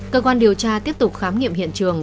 cơ quan điều tra tiếp tục khám nghiệm hiện trường